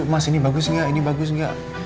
mas ini bagus gak ini bagus gak